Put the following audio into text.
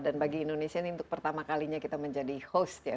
dan bagi indonesia ini untuk pertama kalinya kita menjadi host ya